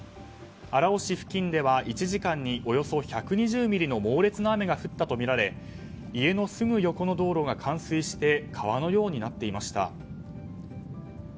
荒尾市付近では１時間におよそ１２０ミリの猛烈な雨が降ったとみられ家のすぐ横の道路が冠水して川のようになっていました。